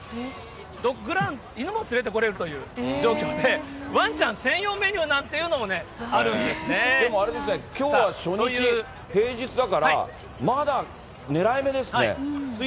ドッグラン、犬も連れてこれるという状況で、ワンちゃん専用メニューなんていでもあれですね、きょうは初日、平日だから、まだねらい目ですね。